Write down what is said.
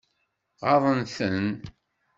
Ɣaḍen-ten?